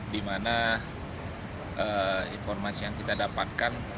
di mana informasi yang kita dapatkan